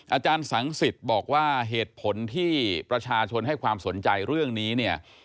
อาจารย์สังสิทธิ์บอกว่าเหตุผลที่ประชาชนให้ความสนใจเรื่องนี้เนี่ย